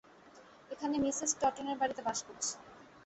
এখানে মিসেস টটনের বাড়ীতে বাস করছি।